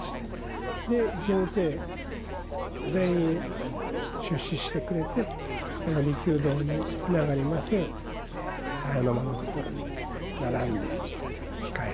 で業躰全員出仕してくれてその利休堂につながります鞘の間のところに並んで控えてくれます。